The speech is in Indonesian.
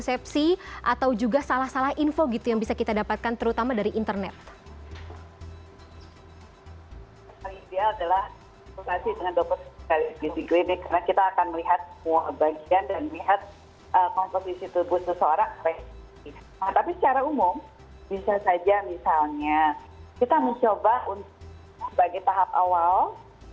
tapi secara umum bisa saja misalnya kita mencoba sebagai tahap awal